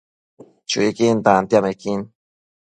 Chuiquin tantiamequin